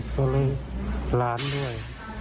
ก็เลยหลานด้วย